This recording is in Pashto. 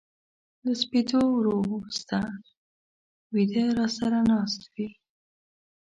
له سپېدو ورو سته و يده را سره ناست وې